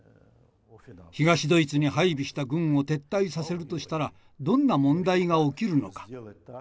東ドイツに配備した軍を撤退させるとしたらどんな問題が起きるのか。